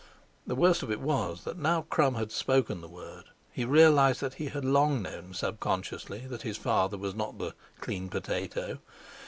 The worst of it was that now Crum had spoken the word, he realised that he had long known subconsciously that his father was not "the clean potato."